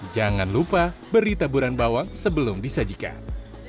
jangan lupa beri taburan bawang sebelum disajikan